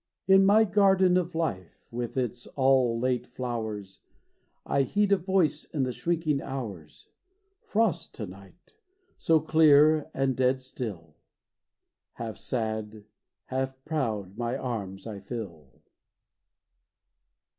.... .In my garden of Life with its all late flowersI heed a Voice in the shrinking hours:"Frost to night—so clear and dead still" …Half sad, half proud, my arms I fill.